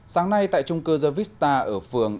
sáng nay tại trung cư gia vista ở phường